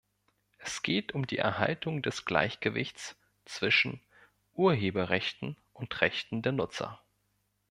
Es geht um die Erhaltung des Gleichgewichts zwischen Urheberrechten und Rechten der Nutzer.